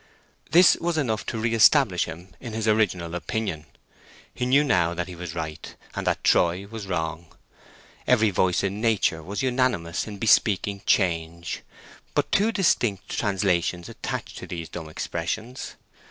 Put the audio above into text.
This was enough to re establish him in his original opinion. He knew now that he was right, and that Troy was wrong. Every voice in nature was unanimous in bespeaking change. But two distinct translations attached to these dumb expressions.